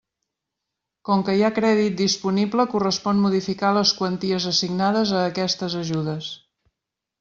Com que hi ha crèdit disponible correspon modificar les quanties assignades a aquestes ajudes.